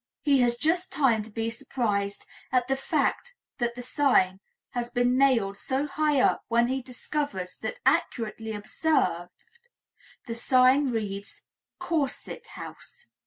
He has just time to be surprised at the fact that the sign has been nailed so high up when he discovers that, accurately observed, the sign reads "Corset haus."